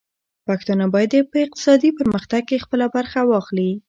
پښتانه بايد په اقتصادي پرمختګ کې خپله برخه واخلي.